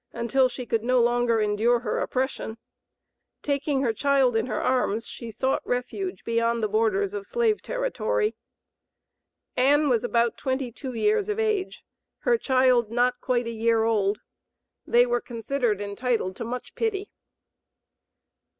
until she could no longer endure her oppression. Taking her child in her arms, she sought refuge beyond the borders of slave territory. Ann was about twenty two years of age, her child not quite a year old. They were considered entitled to much pity.